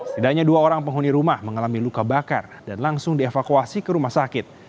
setidaknya dua orang penghuni rumah mengalami luka bakar dan langsung dievakuasi ke rumah sakit